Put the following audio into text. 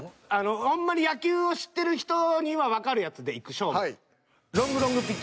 ほんまに野球を知ってる人にはわかるやつでいく勝負。